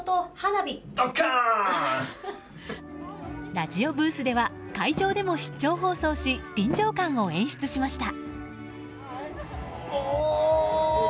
ラジオブースでは会場でも出張放送し臨場感を演出しました。